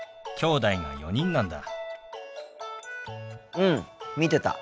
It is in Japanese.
うん見てた。